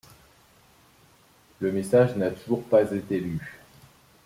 Le message n'a toujours pas été lu.